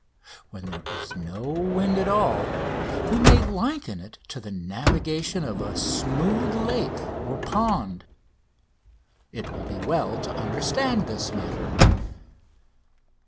When there is no wind at all we may liken it to the navigation of a smooth lake or pond. It will be well to understand this matter.